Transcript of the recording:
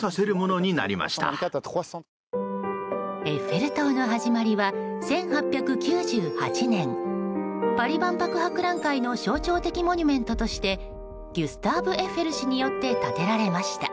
エッフェル塔の始まりは１８９８年パリ万国博覧会の象徴的モニュメントとしてギュスターヴ・エッフェル氏によって建てられました。